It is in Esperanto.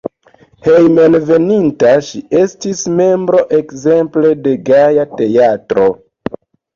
Hejmenveninta ŝi estis membro ekzemple de Gaja Teatro.